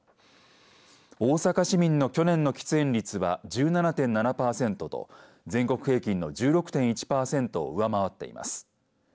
大阪市民の去年の喫煙率は１７．７パーセントと全国平均の１６．１パーセントを上回っています。